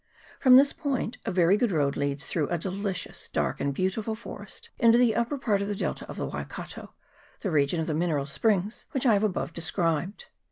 From this point a very good road leads through a delicious, dark, and beautiful forest into the upper part of the delta of the Waikato, the region of the mineral springs which I have above described.